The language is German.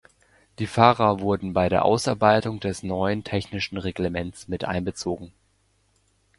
Die Fahrer wurden bei der Ausarbeitung des neuen technischen Reglements mit einbezogen.